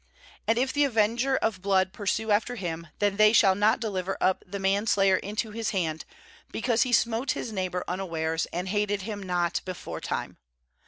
5And if the avenger of blood pursue after him, then they shall not deliver up the man slayer into his hand; because he smote his neighbour unawares, and hated hirn not beforetime.